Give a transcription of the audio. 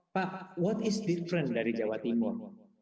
pak apa yang berbeda dari jawa timur